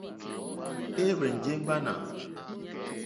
É rzènjé ŋmánà.